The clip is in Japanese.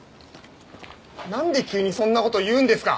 何で急にそんなこと言うんですか！？